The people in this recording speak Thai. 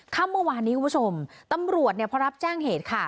ค่ำเมื่อวานนี้คุณผู้ชมตำรวจเนี่ยพอรับแจ้งเหตุค่ะ